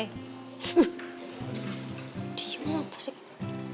diam apa sih